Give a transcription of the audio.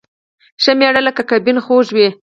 ښه مېړه لکه ګبين خوږ وي